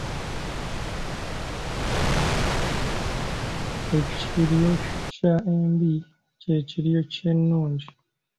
Ekiryokya embi, kye kiryokya n'ennungi ".